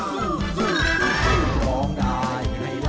ร้องได้ให้ล้าน